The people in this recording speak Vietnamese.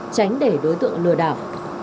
tránh để đối tượng lừa đảo